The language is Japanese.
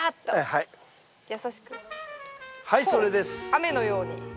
雨のように。